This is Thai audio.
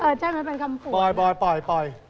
เออใช่มันคำผวนปล่อย